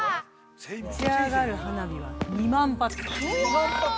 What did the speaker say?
◆打ち上がる花火は２万発。